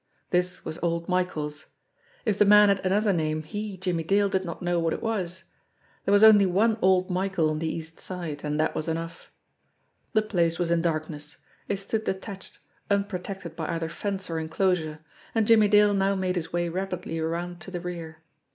This was old Michael's. If the man had another name, he, Jimmie Dale, did not know what it was. There was only one old Michael on the East Side, and that was enough. The place was in darkness. It stood detached, unprotected 172 JIMMIE DALE AND THE PHANTOM CLUE by either fence or enclosure, and Jimmie Dale now made his way rapidly around to the rear.